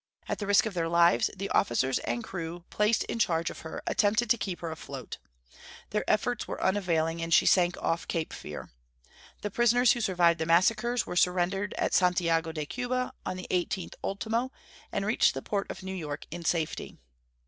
At the risk of their lives the officers and crew placed in charge of her attempted to keep her afloat. Their efforts were unavailing, and she sank off Cape Fear. The prisoners who survived the massacres were surrendered at Santiago de Cuba on the 18th ultimo, and reached the port of New York in safety.